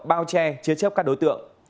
bao che chế chấp các đối tượng